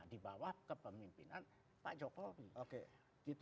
di bawah kepemimpinan pak jokowi